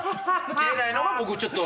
着れないのは僕ちょっと。